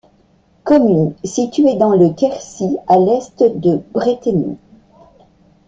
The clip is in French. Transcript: Commune située dans le Quercy, à l'est de Bretenoux.